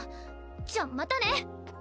じゃあまたね！